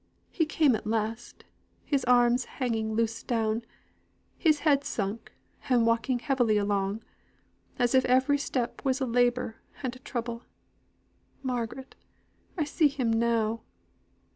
He came at last, his arms hanging loose down, his head sunk, and walking heavily along, as if every step was a labour and a trouble. Margaret, I see him now."